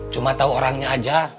cuma tau orangnya aja